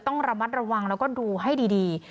ต้องระมัดระวังแล้วก็ดูให้ดี